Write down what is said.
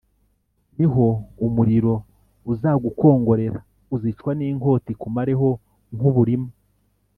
Ni ho umuriro uzagukongorera uzicwa n’inkota ikumareho nk’uburima